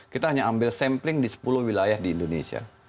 kita hanya ambil sampling di sepuluh wilayah di indonesia